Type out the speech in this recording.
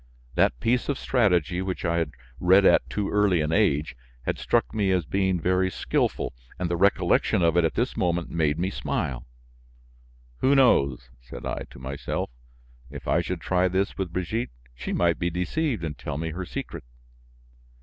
That piece of strategy, which I had read at too early an age, had struck me as being very skilful and the recollection of it at this moment made me smile. "Who knows?" said I to myself, "if I should try this with Brigitte, she might be deceived and tell me her secret."